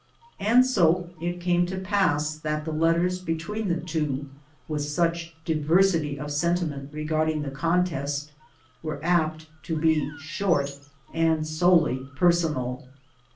And so it came to pass that the letters between the two, with such diversity of sentiment regarding the contest, were apt to be short and solely personal.